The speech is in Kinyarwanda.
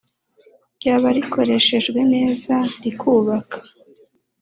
ryaba rikoreshejwe neza rikubaka